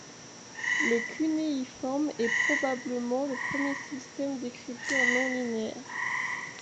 Le cunéiforme est probablement le premier système d'écriture non linéaire.